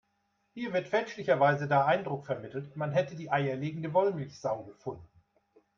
Hier wird fälschlicherweise der Eindruck vermittelt, man hätte die eierlegende Wollmilchsau gefunden.